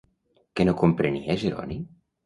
Què no comprenia Jeroni?